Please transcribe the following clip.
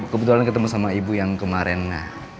kebetulan ketemu sama ibu yang kemarin